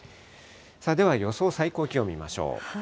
では、予想最高気温を見ましょう。